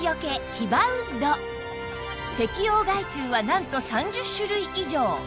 適応害虫はなんと３０種類以上